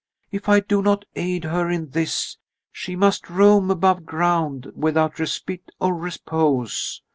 If I do not aid her in this, she must roam above ground without respite or repose.